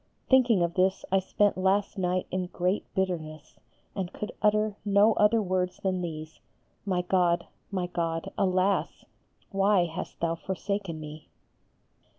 thinking of this I spent last night in great bitterness and could utter no other words than these, "My God, my God, alas! why hast Thou forsaken me."